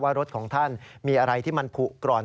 รถของท่านมีอะไรที่มันผูกร่อน